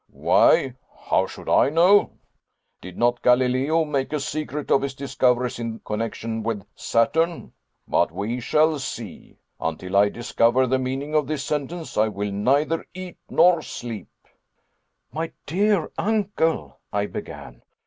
"Why how should I know? Did not Galileo make a secret of his discoveries in connection with Saturn? But we shall see. Until I discover the meaning of this sentence I will neither eat nor sleep." "My dear uncle " I began.